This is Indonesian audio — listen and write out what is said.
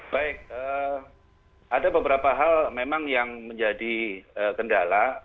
baik ada beberapa hal memang yang menjadi kendala